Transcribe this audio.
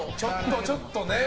ちょっとね。